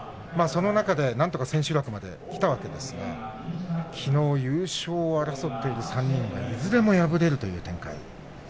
その中で、なんとか千秋楽まできたわけですがきのう、優勝を争っている３人がいずれも敗れるという展開。